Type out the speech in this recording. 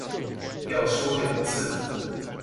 要說兩次